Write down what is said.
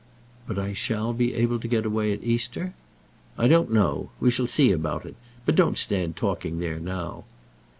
"But I shall be able to get away at Easter?" "I don't know. We shall see about it. But don't stand talking there now."